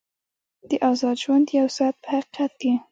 د ازاد ژوند یو ساعت په حقیقت کې.